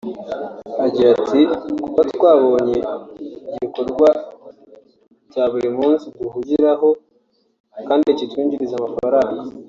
Agira ati “Kuva twabonye igikorwa cya buri munsi duhugiraho kandi kitwinjiriza amafaranga